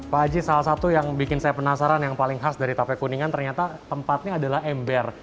pak haji salah satu yang bikin saya penasaran yang paling khas dari tape kuningan ternyata tempatnya adalah ember